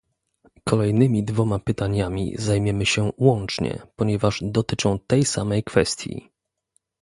Kolejnymi dwoma pytaniami zajmiemy się łącznie, ponieważ dotyczą tej samej kwestii